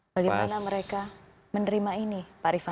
bagaimana mereka menerima ini pak rifana